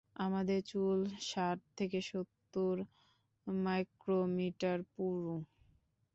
আমাদের চুল ষাট থেকে সত্তর মাইক্রোমিটার পুরু।